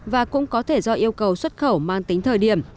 và cũng có thể do yêu cầu xuất khẩu mang tính thời điểm